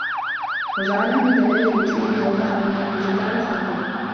وَجَعَلَهَا مِنْ دَلَائِلِ رُسُلِهِ وَأَوْضَحَ بِهَا الْحُجَّةَ عَلَى خَلْقِهِ